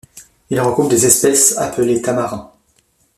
Il regroupe des espèces appelées tamarins.